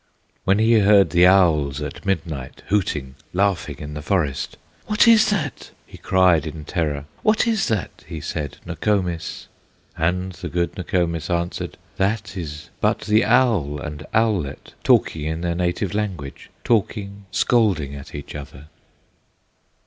When he heard the owls at midnight, Hooting, laughing in the forest, "What is that?" he cried in terror, "What is that," he said, "Nokomis?" And the good Nokomis answered: "That is but the owl and owlet, Talking in their native language, Talking, scolding at each other."